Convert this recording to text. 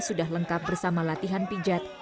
sudah lengkap bersama latihan pijat